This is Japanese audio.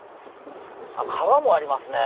川もありますね。